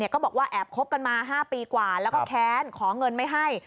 ก็บอกว่าแอบคบกันมา๕ปีกว่าแล้วก็แค้นขอเงินไม่ให้